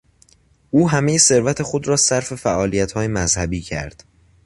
او همهی ثروت خود را صرف فعالیتهای مذهبی کرد.